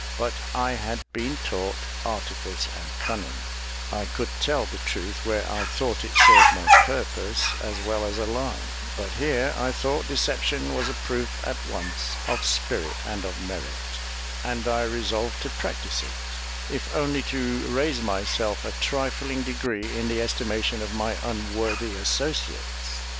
But I had been taught artifice and cunning; I could tell the truth where I thought it served my purpose, as well as a lie; but here I thought deception was a proof at once of spirit and of merit; and I resolved to practise it, if only to raise myself a trifling degree in the estimation of my unworthy associates.